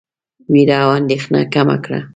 وېره او اندېښنه کمه کړه.